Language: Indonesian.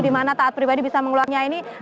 di mana taat pribadi bisa mengeluarkannya ini